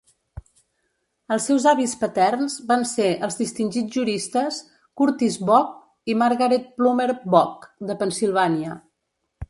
Els seus avis paterns van ser els distingits juristes Curtis Bok i Margaret Plummer Bok de Pennsilvània.